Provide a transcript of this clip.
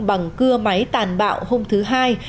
bằng cưa máy tàn bạo hôm thứ hai